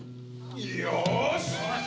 よし！」